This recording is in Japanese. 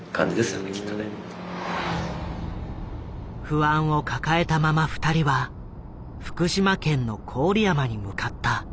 不安を抱えたまま二人は福島県の郡山に向かった。